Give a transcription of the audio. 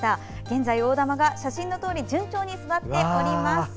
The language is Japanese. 現在、大玉が写真のとおり順調に育っております。